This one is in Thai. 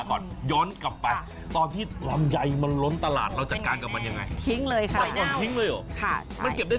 ตอนนี้หนูจะไปหนูทำแม่ศัพท์โดนหนูเข้าใจ